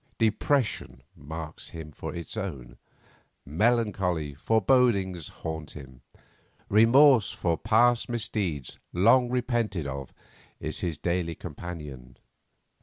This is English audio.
Depression marks him for its own; melancholy forebodings haunt him; remorse for past misdeeds long repented of is his daily companion.